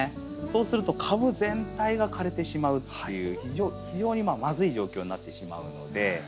そうすると株全体が枯れてしまうっていう非常にまずい状況になってしまうので。